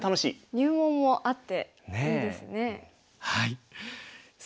入門もあっていいですね。